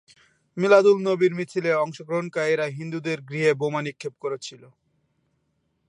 মিলাদ-উল-নবীর মিছিলে অংশগ্রহণকারীরা হিন্দুদের গৃহে বোমা নিক্ষেপ করেছিল।